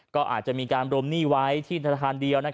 ก็อาจจะมีการรวมหนี้ไว้ที่ธนาคารเดียว